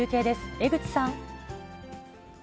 江口さん。